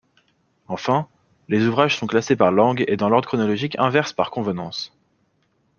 Enfin, les ouvrages sont classés par langues et dans l'ordre chronologique inverse par convenance.